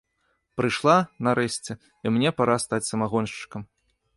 Прыйшла, нарэшце, і мне пара стаць самагоншчыкам!